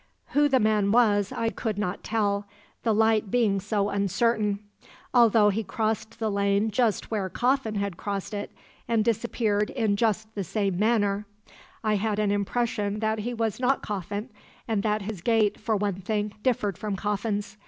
"Who the man was I could not tell, the light being so uncertain. Although he crossed the lane just where Coffin had crossed it and disappeared in just the same manner, I had an impression that he was not Coffin, and that his gait, for one thing, differed from Coffin's.